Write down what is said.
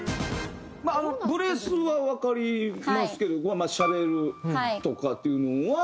まあブレスはわかりますけど「しゃべる」とかっていうのは？